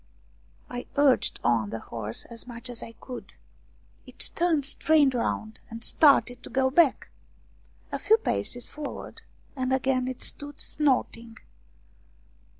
I urged on the horse as much as I could. It turned straight round and started to go back. A few paces forward, and again it stood snorting.